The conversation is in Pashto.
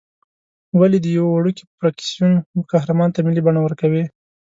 ولې د یوه وړوکي فرکسیون قهرمان ته ملي بڼه ورکوې.